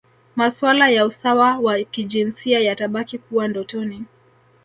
Masuala ya usawa wa kijinsia yatabaki kuwa ndotoni